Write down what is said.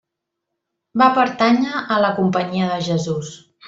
Va pertànyer a la Companyia de Jesús.